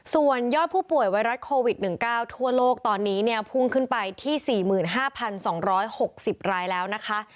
ส่วนยอดผู้ป่วยไวรัสโควิด๑๙ทั่วโลกตอนนี้เนี่ยพุ่งขึ้นไปที่๔๕๒๖๐รายแล้วนะคะ